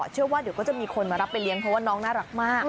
เชื่อว่าเดี๋ยวก็จะมีคนมารับไปเลี้ยงเพราะว่าน้องน่ารักมาก